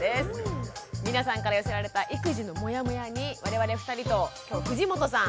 皆さんから寄せられた育児のモヤモヤに我々２人と今日藤本さん。